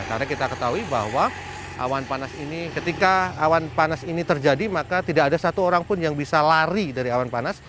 karena kita ketahui bahwa ketika awan panas ini terjadi maka tidak ada satu orang pun yang bisa lari dari awan panas